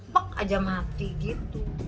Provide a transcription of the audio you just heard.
pak aja mati gitu